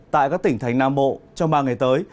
tại các tỉnh thành nam bộ trong ba ngày tới